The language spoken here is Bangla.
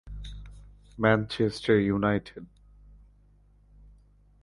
Manchester United